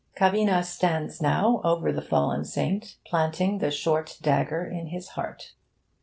Cavina stands now over the fallen Saint, planting the short dagger in his heart.